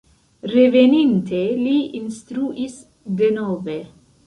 Reveninte li instruis denove.